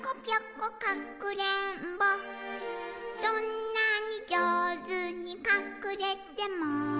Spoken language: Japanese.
「どんなにじょうずにかくれても」